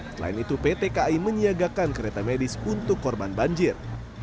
selain itu pt kai menyiagakan kereta medis untuk korban banjir